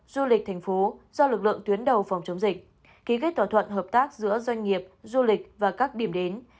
du lịch thành phố do lực lượng tuyến đầu phòng chống dịch ký kết thỏa thuận hợp tác giữa doanh nghiệp du lịch và các điểm đến